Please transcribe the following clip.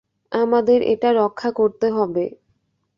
আমাদের এটা রক্ষা করতে হবে।